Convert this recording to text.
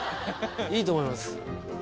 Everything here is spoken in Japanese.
いいと思います。